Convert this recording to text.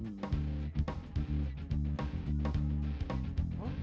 aduh ya allah apa ini